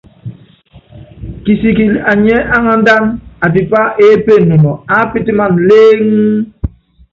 Kisikili anyiɛ́ aŋándána, atipá eépe nunɔ, aápítimana lééŋé.